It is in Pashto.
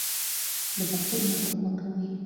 د باطل ملاتړ مه کوئ.